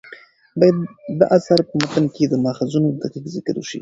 باید د اثر په متن کې د ماخذونو دقیق ذکر وشي.